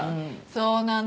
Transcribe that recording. そうなの。